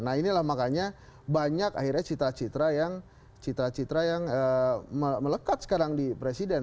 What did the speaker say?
nah inilah makanya banyak akhirnya cita citra citra yang melekat sekarang di presiden